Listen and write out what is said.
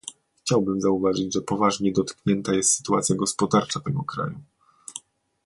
Chciałabym zauważyć, że poważnie dotknięta jest sytuacja gospodarcza tego kraju